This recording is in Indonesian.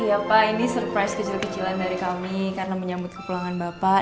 iya pak ini surprise kecil kecilan dari kami karena menyambut kepulangan bapak